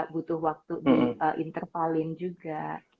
butuh waktu di intervalin juga